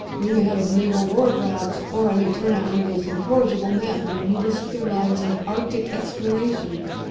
We may have a naval war, perhaps, or I may turn out one of those incorrigible madmen who risk their lives in Arctic exploration.